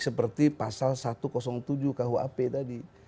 seperti pasal satu ratus tujuh kuhp tadi